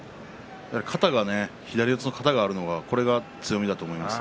左四つの型があるのが強みだと思います。